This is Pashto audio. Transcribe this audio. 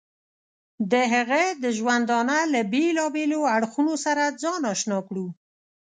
د هغه د ژوندانه له بېلابېلو اړخونو سره ځان اشنا کړو.